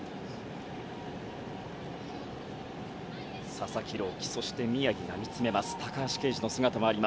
佐々木朗希そして宮城が見つめます。